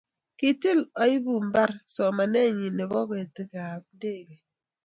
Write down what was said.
kiitil iibu mbar somaneng'ing nebo ketekab ndekee?